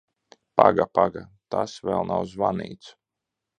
Paga, paga, tas vēl nav zvanīts!